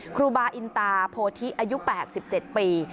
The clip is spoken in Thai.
ครูบาอินตาโพธิอายุ๘๗ปี